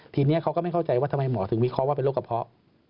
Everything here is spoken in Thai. ทีนี้เขาก็ไม่เข้าใจว่าทำไมหมอถึงวิเคราะห์ว่าเป็นโรคกระเพาะ